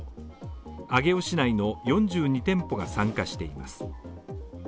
上尾市内の４２店舗が参加しています。